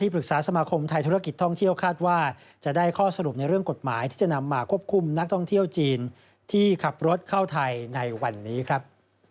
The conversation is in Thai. ปรึกษาสมาคมไทยธุรกิจท่องเที่ยวคาดว่าจะได้ข้อสรุปในเรื่องกฎหมายที่จะนำมาควบคุมนักท่องเที่ยวจีนที่ขับรถเข้าไทยในวันนี้ครับ